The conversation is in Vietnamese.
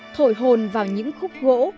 thổi hồn vào những khúc gỗ